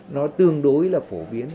nó tương đối là phổ biến